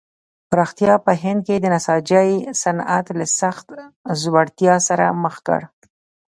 پراختیا په هند کې د نساجۍ صنعت له سخت ځوړتیا سره مخ کړ.